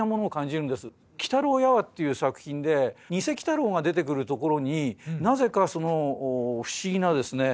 「鬼太郎夜話」っていう作品でにせ鬼太郎が出てくるところになぜかその不思議なですね